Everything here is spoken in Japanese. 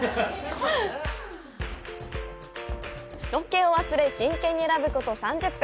ロケを忘れ、真剣に選ぶこと３０分。